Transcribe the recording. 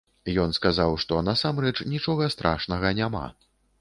Ён сказаў, што насамрэч нічога страшнага няма.